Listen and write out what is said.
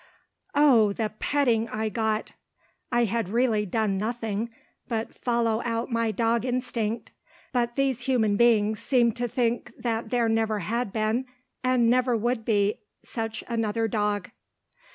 Oh! the petting I got. I had really done nothing, but follow out my dog instinct, but these human beings seemed to think that there never had been, and never would be such another dog.